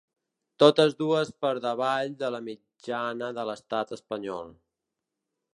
Totes dues per davall de la mitjana de l’estat espanyol.